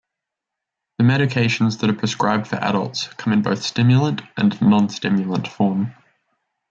The medications that are prescribed for adults come in both stimulant and non-stimulant form.